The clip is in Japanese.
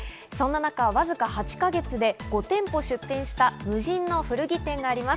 そんな中、わずか８か月で５店舗出店した無人の古着店があります。